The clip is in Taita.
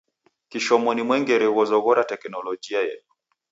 Kishomo ni mwengere ghuzoghoragha teknologia yedu.